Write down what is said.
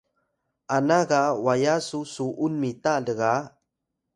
ana ga waya su su’un mita lga